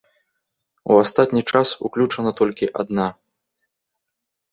У астатні час уключана толькі адна.